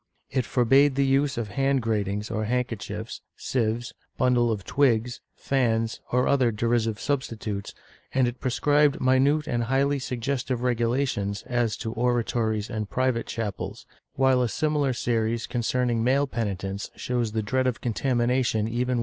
It forl^ade the use of hand gratings or handkerchiefs, sieves, bundle of twigs, fans, or other derisive substitutes, and it prescribed minute and highly suggest ive regulations as to oratories and private chapels, while a similar series concerning male penitents shows the dread of contamination even with them.